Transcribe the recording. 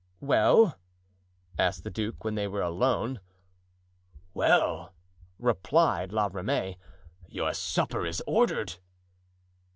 "Well?" asked the duke when they were alone. "Well!" replied La Ramee, "your supper is ordered."